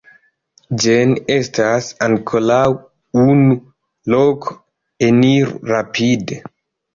Jen estas ankoraŭ unu loko, eniru rapide.